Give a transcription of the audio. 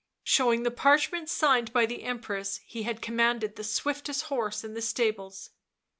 Showing the parchment signed by the Empress, he had commanded the swiftest horse in the stables.